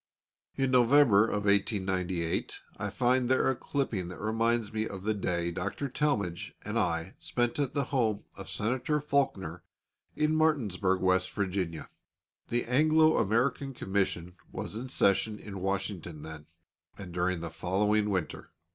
In November of 1898 I find there a clipping that reminds me of the day Dr. Talmage and I spent at the home of Senator Faulkner, in Martinsburg, West Virginia. The Anglo American Commission was in session in Washington then, and during the following winter.